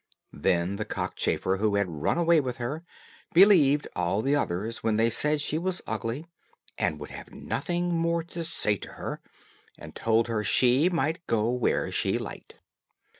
Then the cockchafer who had run away with her, believed all the others when they said she was ugly, and would have nothing more to say to her, and told her she might go where she liked.